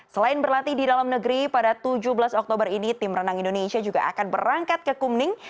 selain berlatih di dalam negeri pada tujuh belas oktober ini tim renang indonesia juga akan berangkat ke kumning